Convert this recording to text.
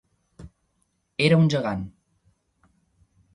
Era un gegant.